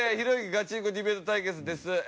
ガチンコディベート対決です。